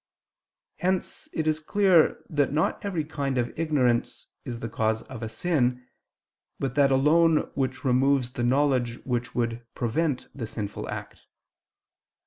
Hence it is clear that not every kind of ignorance is the cause of a sin, but that alone which removes the knowledge which would prevent the sinful act.